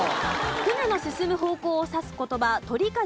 船の進む方向を指す言葉取舵と面舵。